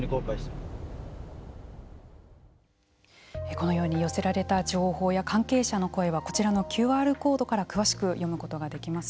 このように寄せられた情報や関係者の声はこちらのＱＲコードから詳しく読むことができます。